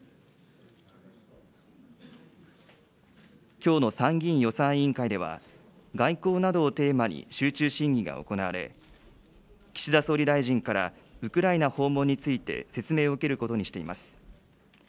きょうの参議院予算委員会では、外交などをテーマに集中審議が行われ、岸田総理大臣からウクライナ訪問について説明を受けることにしています。